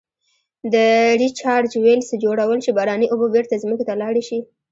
د Recharge wells جوړول چې باراني اوبه بیرته ځمکې ته لاړې شي.